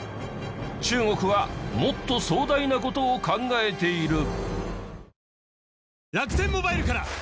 中国はもっと壮大な事を考えている。